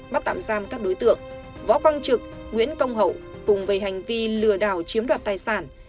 bắt tạm giam các đối tượng võ quang trực nguyễn công hậu cùng về hành vi lừa đảo chiếm đoạt tài sản